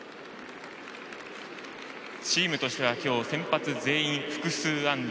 チームとしては今日、先発全員複数安打。